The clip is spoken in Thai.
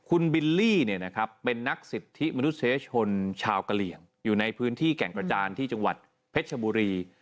คุณบิลลี่เป็นนักสิทธิมนุษยชนชาวกะเหลี่ยงอยู่ในพื้นที่แก่งกระจานที่จังหวัดเพชรชบุรี